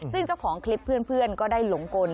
ซึ่งเจ้าของคลิปเพื่อนก็ได้หลงกล